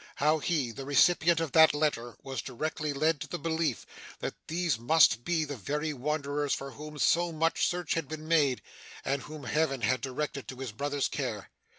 How he, the recipient of that letter, was directly led to the belief that these must be the very wanderers for whom so much search had been made, and whom Heaven had directed to his brother's care.